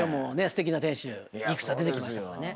すてきな天守いくつか出てきましたからね。